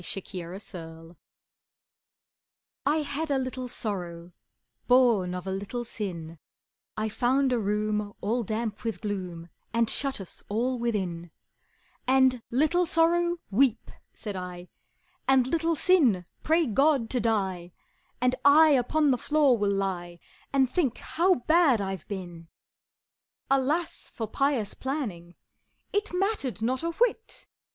The Penitent I had a little Sorrow, Born of a little Sin, I found a room all damp with gloom And shut us all within; And, "Little Sorrow, weep," said I, "And, Little Sin, pray God to die, And I upon the floor will lie And think how bad I've been!" Alas for pious planning It mattered not a whit!